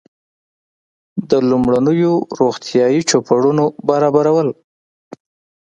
د لومړنیو روغتیایي چوپړونو برابرول.